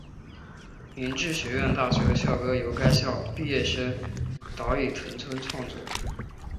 明治学院大学的校歌由该校毕业生岛崎藤村创作。